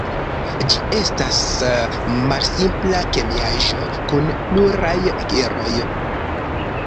Ĝi estas malsimpla kemiaĵo kun pluraj eroj.